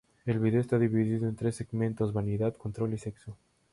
El video esta divido en tres segmentos "Vanidad", "Control" y "Sexo".